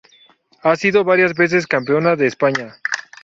Ha sido varias veces campeona de España.